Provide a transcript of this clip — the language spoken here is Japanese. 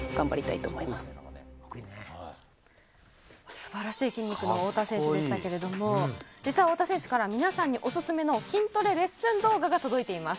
素晴らしい筋肉の太田選手でしたけれども、実は太田選手から皆さんにおすすめの筋トレレッスン動画が届いています。